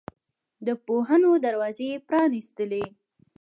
د پوهنو دروازې یې پرانستلې.